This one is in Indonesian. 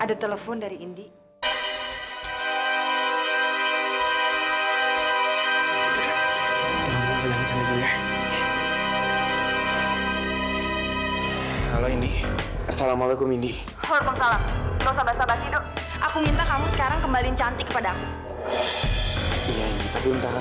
aku akan mengumpet supaya nggak kelihatan sama kamu